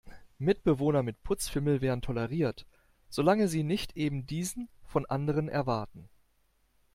Mitbewohner mit Putzfimmel werden toleriert, solange sie nicht eben diesen von anderen erwarten.